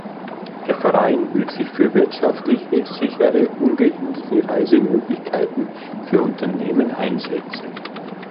Der Verein will sich für wirtschaftliche, sichere, ungehinderte Reisemöglichkeiten für Unternehmen einsetzen.